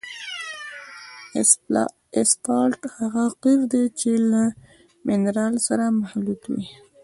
اسفالټ هغه قیر دی چې له منرال سره مخلوط وي